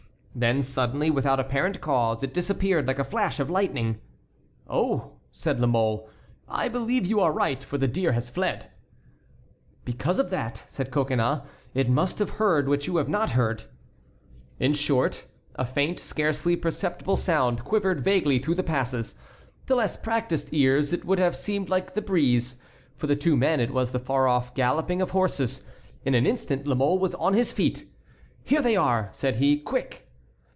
Then suddenly, without apparent cause, it disappeared like a flash of lightning. "Oh!" said La Mole, "I believe you are right, for the deer has fled." "Because of that," said Coconnas, "it must have heard what you have not heard." In short, a faint, scarcely perceptible sound quivered vaguely through the passes; to less practised ears it would have seemed like the breeze; for the two men it was the far off galloping of horses. In an instant La Mole was on his feet. "Here they are!" said he; "quick."